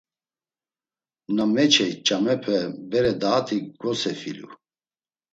Na meçey ç̌amepe bere daati gvosefilu.